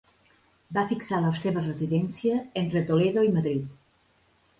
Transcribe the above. Va fixar la seva residència entre Toledo i Madrid.